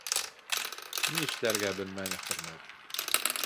Ни эшләргә белмәне Хөрмәт.